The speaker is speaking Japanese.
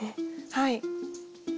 はい。